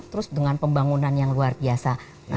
terus dengan pembangunan yang luar biasa